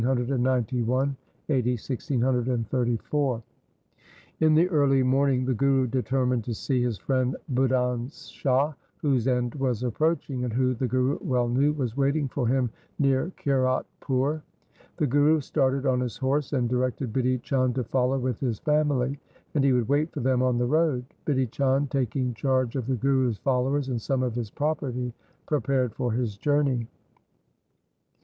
1 Dabisian i Mazahab. LIFE OF GURU HAR GOBIND 213 In the early morning the Guru determined to see his friend Budhan Shah, whose end was approaching, and who, the Guru well knew, was waiting for him near Kiratpur. The Guru started on his horse, and directed Bidhi Chand to follow with his family, and he would wait for them on the road. Bidhi Chand, taking charge of the Guru's followers and some of his property, prepared for his journey.